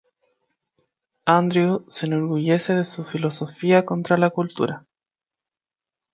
Andrew se enorgullece de su filosofía contra cultural.